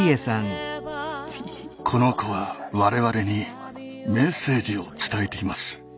この子は我々にメッセージを伝えています。